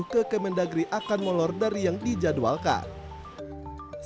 ke kemendagri akan molor dari yang dijadwalkan